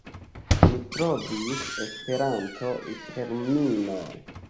Mi trovis Esperanto literumilon.